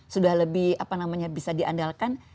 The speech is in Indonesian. sudah lebih apa namanya bisa diandalkan